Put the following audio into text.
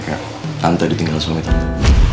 kayak tante ditinggal selama tante